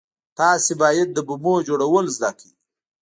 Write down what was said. تاسې بايد د بمونو جوړول زده کئ.